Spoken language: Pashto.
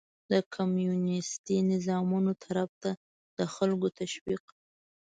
د کمونيستي نظامونو طرف ته د خلکو تشويق